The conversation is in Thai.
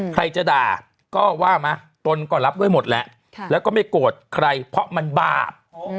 ใครจะด่าก็ว่ามาตนก็รับไว้หมดแล้วแล้วก็ไม่โกรธใครเพราะมันบาป